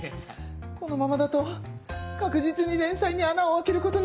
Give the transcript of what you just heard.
このままだと確実に連載に穴をあけることに。